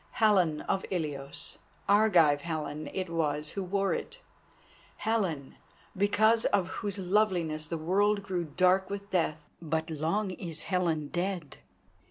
Helen of Ilios—Argive Helen it was who wore it—Helen, because of whose loveliness the world grew dark with death; but long is Helen dead."